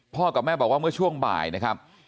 กับแม่บอกว่าเมื่อช่วงบ่ายนะครับ